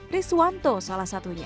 rizwanto salah satunya